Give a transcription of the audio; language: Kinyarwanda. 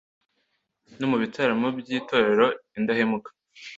no mu bitaramo by’Itorero Indahemuka